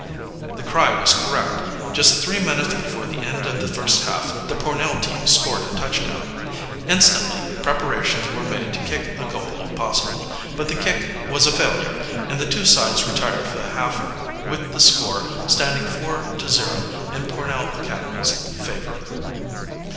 The cry was correct. Just three minutes before the end of the first half the Pornell team scored a touchdown. Instantly preparations were made to kick a goal if possible. But the kick was a failure, and the two sides retired for the half with the score standing 4 to 0 in Pornell Academy's favor.